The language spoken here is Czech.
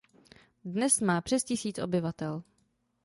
Dnes má přes tisíc obyvatel.